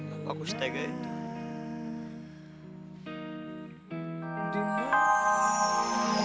apa aku bisa tega itu